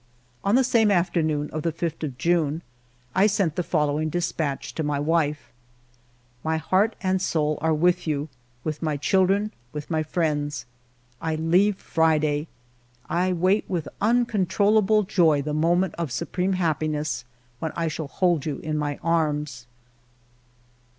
On the same afternoon, of the 5th of June, I sent the following despatch to my wife :—" My heart and soul are with you, with my children, with my friends. I leave Friday. I wait with uncontrollable joy the moment of supreme happiness, when I shall hold you in my arms."